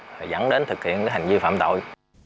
rồi dẫn đến thực hiện cái hành vi phạm tội